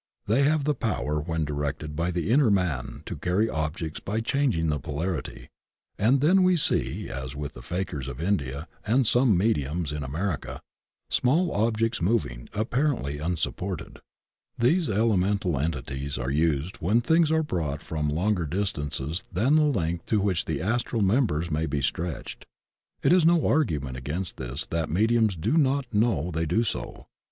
They have the power when directed by the inner man to carry objects by changing the polarity, and then we see, as with the fakirs of India and some mediums in America, small objects moving apparently unsup ported. These elemental entities are used when things are brought from longer distances than the lengdi to which the Astral members may be stretched. It is no argument against this that mediums do not know they do so.